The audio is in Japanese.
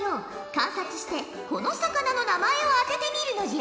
観察してこの魚の名前を当ててみるのじゃ。